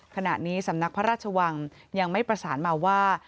ขณะนี้สำนักพระราชวังยังไม่ประสานมาว่า